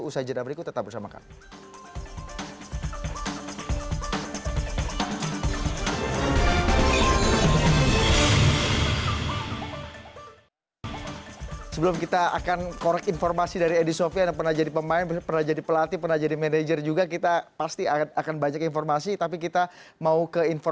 usaha jenama berikut tetap bersamakan